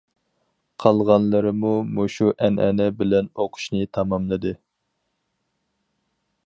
قالغانلىرىمۇ مۇشۇ ئەنئەنە بىلەن ئوقۇشنى تاماملىدى.